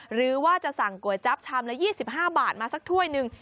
หรือว่าจะสั่งก๋วยจั๊บชามละ๒๕บาทมาสักถ้วยหนึ่ง